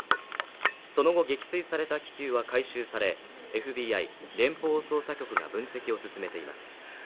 その後撃墜された気球は回収されＦＢＩ＝連邦捜査局が分析を進めています。